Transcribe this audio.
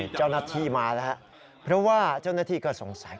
เจ้าหน้าที่มาแล้วเพราะว่าเจ้าหน้าที่ก็สงสัย